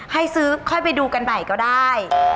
ให้ซื้อค่อยไปดูกันใหม่ก็ได้